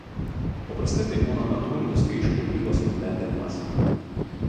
Paprastai tai būna natūrinių skaičių daugybos apibendrinimas.